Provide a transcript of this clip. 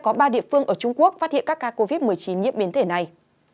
có ba địa phương ở trung quốc phát hiện các ca covid một mươi chín nhiễm biến thể này